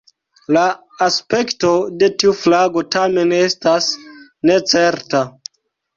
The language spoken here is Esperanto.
La aspekto de tiu flago tamen estas necerta.